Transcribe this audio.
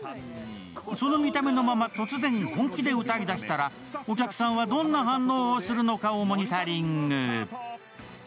その見た目のまま、突然本気で歌い出したらお客さんはどんな反応をするのかをモニタリング。